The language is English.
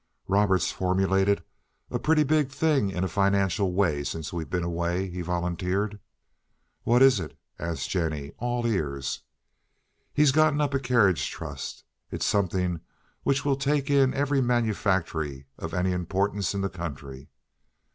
"Robert's formulated a pretty big thing in a financial way since we've been away," he volunteered. "What is it?" asked Jennie, all ears. "Oh, he's gotten up a carriage trust. It's something which will take in every manufactory of any importance in the country.